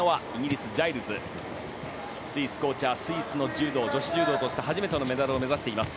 スイス、コーチャーはスイスの女子柔道として初めてのメダルを目指しています。